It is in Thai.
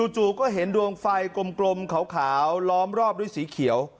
จู่ก็เห็นดวงไฟกลมขาวล้อมรอบด้วยสีเขียว